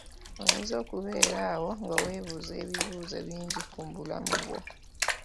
Oyinza okubeera awo nga weebuuza ebibuuzo bingi ku bulamu bwo.